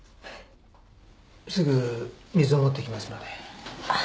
すぐ水を持ってきますので。